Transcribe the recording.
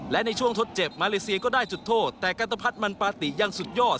และในช่วงทดเจ็บมาเลเซียก็ได้จุดโทษแต่กันตะพัฒน์มันปาติยังสุดยอด